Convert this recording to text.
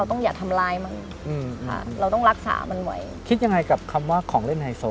ของเล่นไฮโซบ้าง